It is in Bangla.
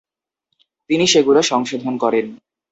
তিনি সেগুলো সংশোধন করেন।